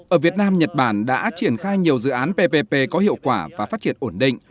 ở việt nam nhật bản đã triển khai nhiều dự án ppp có hiệu quả và phát triển ổn định